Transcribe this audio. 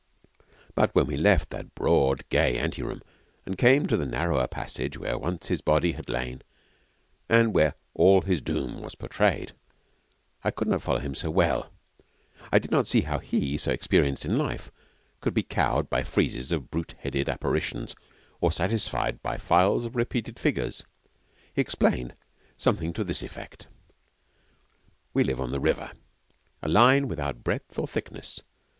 But when we left that broad, gay ante room and came to the narrower passage where once his body had lain and where all his doom was portrayed, I could not follow him so well. I did not see how he, so experienced in life, could be cowed by friezes of brute headed apparitions or satisfied by files of repeated figures. He explained, something to this effect: 'We live on the River a line without breadth or thickness.